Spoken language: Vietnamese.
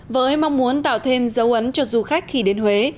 với mong muốn tạo thêm dấu ấn cho du khách khi đến huế